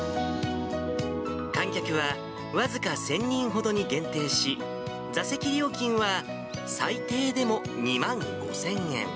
観客は、僅か１０００人ほどに限定し、座席料金は最低でも２万５０００円。